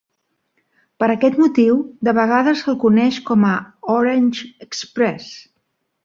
Per aquest motiu, de vegades se'l coneix com a Orange Express.